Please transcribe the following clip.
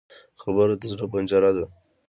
خبره د زړه پنجره ده